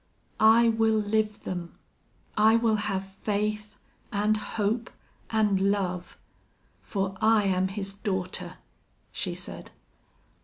"I will live them. I will have faith and hope and love, for I am his daughter," she said.